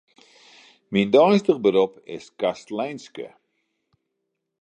Myn deistich berop is kastleinske.